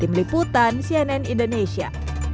tim liputan cnn indonesia